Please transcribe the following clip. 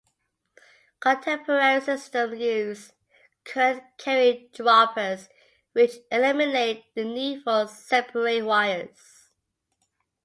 Contemporary systems use current-carrying droppers, which eliminate the need for separate wires.